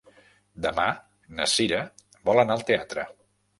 Demà na Cira vol anar al teatre.